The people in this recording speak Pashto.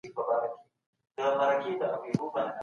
دیني پوهان د ټولنې د لارښوونې مشعلونه دي.